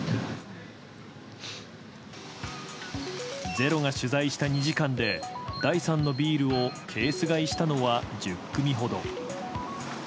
「ｚｅｒｏ」が取材した２時間で第三のビールをケース買いしたのは１０組ほど。